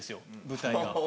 舞台が。